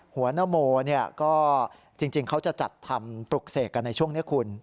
นโมก็จริงเขาจะจัดทำปลุกเสกกันในช่วงนี้คุณ